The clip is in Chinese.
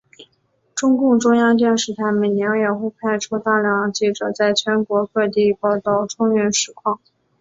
中国中央电视台每年也会派出大量记者在全国各地报道春运实况。